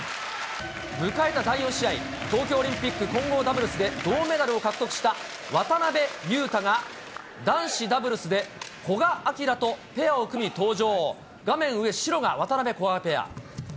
迎えた第４試合、東京オリンピック混合ダブルスで、銅メダルを獲得した渡辺勇大が男子ダブルスで、古賀輝とペアを組み登場。